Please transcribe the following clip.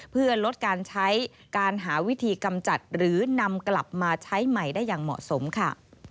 เพื่อลดการใช้การหาวิธีกำจัดหรือนำกลับมาใช้ใหม่ได้อย่างเหมาะสมค่ะ